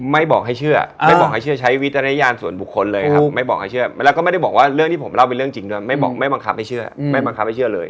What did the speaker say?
ไม่บอกให้เชื่อไม่บอกให้เชื่อใช้วิจารณญาณส่วนบุคคลเลยครับไม่บอกให้เชื่อแล้วก็ไม่ได้บอกว่าเรื่องที่ผมเล่าเป็นเรื่องจริงด้วยไม่บอกไม่บังคับให้เชื่อไม่บังคับให้เชื่อเลย